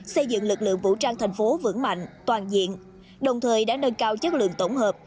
xây dựng lực lượng vũ trang thành phố vững mạnh toàn diện đồng thời đã nâng cao chất lượng tổng hợp